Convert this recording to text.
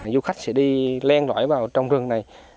du khách sẽ đi len lõi vào trong rừng này